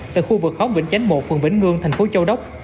tại khu vực khóm vĩnh chánh một phường vĩnh ngương thành phố châu đốc